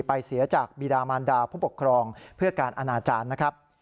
เสียจากบีดามันดาผู้ปกครองเพื่อการอนาจารย์นะครับ